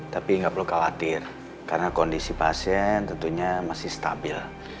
tapi nggak perlu khawatir karena kondisi pasien tentunya masih stabil